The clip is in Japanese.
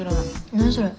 何それ。